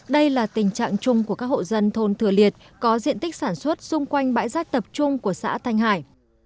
đây là tình trạng chung của các hộ dân thôn thừa liệt có diện tích sản xuất xung quanh bãi rác tập trung của xã thanh hải